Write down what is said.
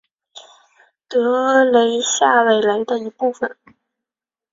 德雷下韦雷的一部分。